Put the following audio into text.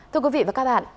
thưa quý vị và các bạn